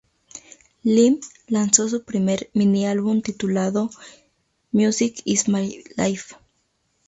Lim lanzó su primer mini-álbum titulado "Music is My Life.